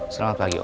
selamat pagi om